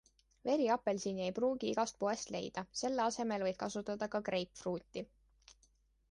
Veriapelsini ei pruugi igast poest leida, selle asemel võid kasutada ka greipfruuti.